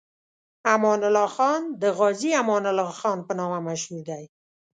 امان الله خان د غازي امان الله خان په نامه مشهور دی.